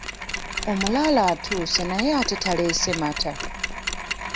Omulaalo atuuse naye ate taleese mata.